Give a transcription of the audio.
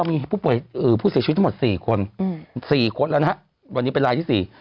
มีผู้ป่วยผู้เสียชีวิตทั้งหมด๔คน๔คนแล้วนะฮะวันนี้เป็นรายที่๔